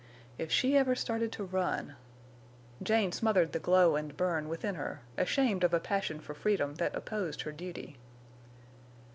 If she ever started to run! Jane smothered the glow and burn within her, ashamed of a passion for freedom that opposed her duty.